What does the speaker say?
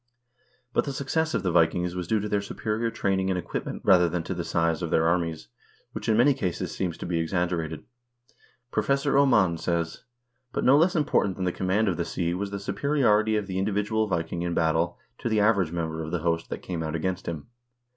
But the success of the Vikings was due to their superior training and equipment rather than to the size of their armies, which in many cases seems to be exaggerated. Professor Oman says :" But no less important than the command of the sea was the superiority of the individual Vi king in battle to the average member of the host that came out against him.